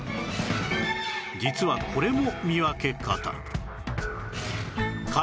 実はこれも見分け方